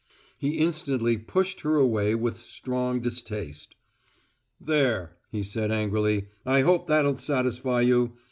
He instantly pushed her away with strong distaste. "There!" he said angrily. "I hope that'll satisfy you!"